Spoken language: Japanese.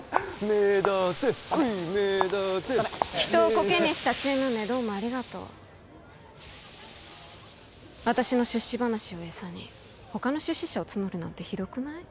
目立てはい目立てダメ人をこけにしたチーム名どうもありがとう私の出資話を餌に他の出資者を募るなんてひどくない？